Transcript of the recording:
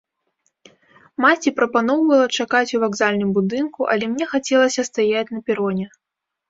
Маці прапаноўвала чакаць у вакзальным будынку, але мне хацелася стаяць на пероне.